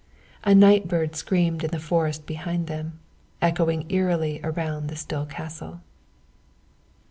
A night bird screamed in the forest behind them, echoing eerily around the still castle.